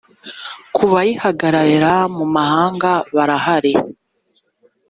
ku bayihagararira mu mahanga barahari